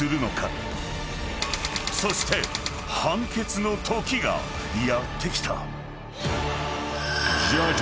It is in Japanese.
［そして判決のときがやってきた］